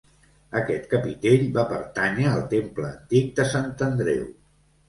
Aquest capitell va pertànyer al temple antic de Sant Andreu.